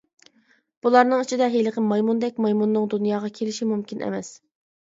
بۇلارنىڭ ئىچىدە ھېلىقى مايمۇندەك مايمۇننىڭ دۇنياغا كېلىشى مۇمكىن ئەمەس.